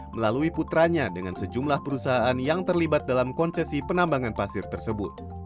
melalui putranya dengan sejumlah perusahaan yang terlibat dalam konsesi penambangan pasir tersebut